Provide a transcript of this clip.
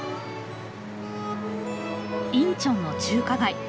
インチョンの中華街。